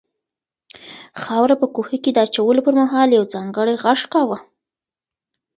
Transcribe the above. خاوره په کوهي کې د اچولو پر مهال یو ځانګړی غږ کاوه.